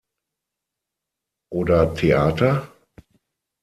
Oder Theater?